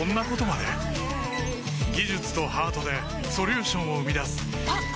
技術とハートでソリューションを生み出すあっ！